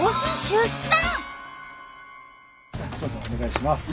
お願いします。